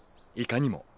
いかにも。